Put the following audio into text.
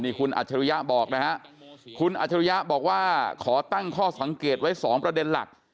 คุณอัจฉริยะบอกนะฮะคุณอัจฉริยะบอกว่าขอตั้งข้อสังเกตไว้๒ประเด็นหลัก